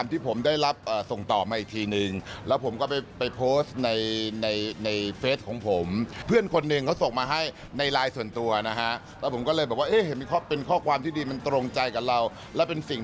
แต่แก้ไม่ทันจริง